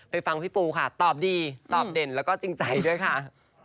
ฟังพี่ปูค่ะตอบดีตอบเด่นแล้วก็จริงใจด้วยค่ะ